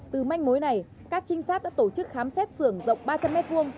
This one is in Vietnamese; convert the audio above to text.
từ manh mối này các trinh sát đã tổ chức khám xét sưởng rộng ba trăm linh m hai